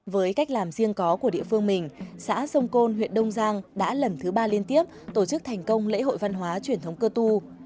với cách làm riêng có của địa phương mình xã sông côn huyện đông giang đã lần thứ ba liên tiếp tổ chức thành công lễ hội văn hóa truyền thống cơ tu